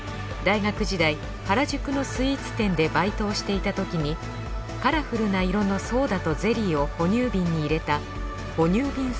大学時代原宿のスイーツ店でバイトをしていたときにカラフルな色のソーダとゼリーを哺乳瓶に入れた哺乳瓶